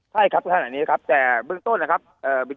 ใช่ครับขนาดนี้ครับแต่เบื้องต้นนะครับ